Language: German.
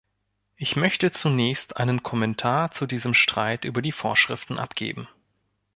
Ich möchte zunächst einen Kommentar zu diesem Streit über die Vorschriften abgeben.